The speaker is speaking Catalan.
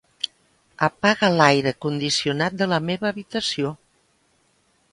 Apaga l'aire condicionat de la meva habitació.